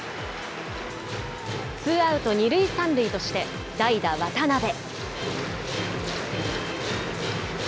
ツーアウト２塁３塁として、代打、渡部。